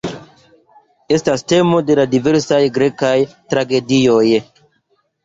Estas temo de la diversaj grekaj tragedioj.